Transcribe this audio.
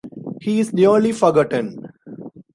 He is nearly forgotten.